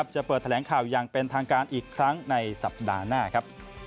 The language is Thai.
จะเปิดแถลงข่าวอย่างเป็นทางการอีกครั้งในสัปดาห์หน้าครับ